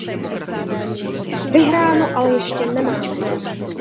Vyhráno ale ještě nemáme.